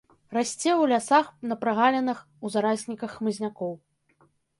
Расце ў лясах, на прагалінах, у зарасніках хмызнякоў.